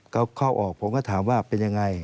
เขาเข้าออกผมก็ถามว่าเป็นยังไง